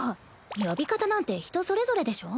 呼び方なんて人それぞれでしょ。